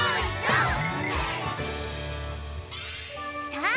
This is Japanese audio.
さあ